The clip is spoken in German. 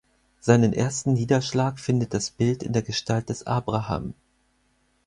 Seinen ersten Niederschlag findet das Bild in der Gestalt des Abraham.